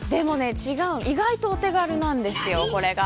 意外とお手軽なんですよ。